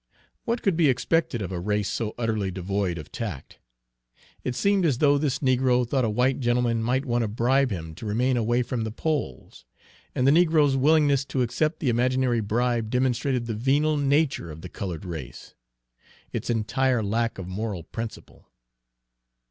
What could be expected of a race so utterly devoid of tact? It seemed as though this negro thought a white gentleman might want to bribe him to remain away from the polls; and the negro's willingness to accept the imaginary bribe demonstrated the venal nature of the colored race, its entire lack of moral principle!